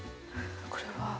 これは。